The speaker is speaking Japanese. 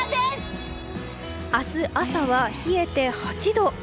明日朝は冷えて８度。